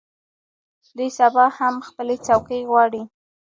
دوی سبا هم خپلې څوکۍ غواړي.